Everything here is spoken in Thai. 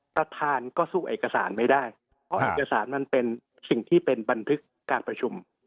ประธานก็สู้เอกสารไม่ได้เพราะเอกสารมันเป็นสิ่งที่เป็นบันทึกการประชุม